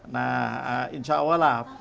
nah insya allah